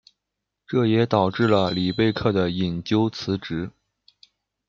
这也导致了里贝克的引咎辞职。